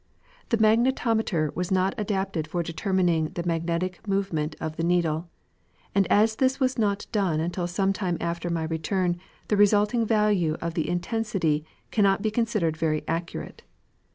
The magnetometer was not adapted for determining the magnetip moment of the needle ; and as this was not done until some time after my return, the resulting value of the intensity cannot be considered very accurate.